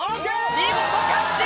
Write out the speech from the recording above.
見事キャッチ！